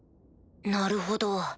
なるほど。